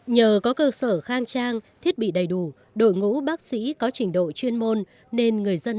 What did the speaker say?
nhờ có cơ sở khang trang thiết bị đầy đủ đội ngũ bác sĩ có trình độ chuyên môn nên người dân